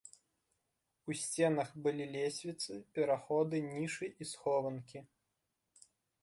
У сценах былі лесвіцы, пераходы, нішы і схованкі.